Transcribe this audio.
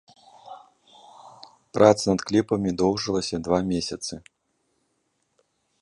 Праца над кліпамі доўжылася два месяцы.